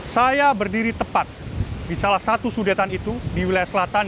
saya berdiri tepat di salah satu sudetan itu di wilayah selatan